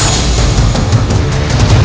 kami tidak pernah takut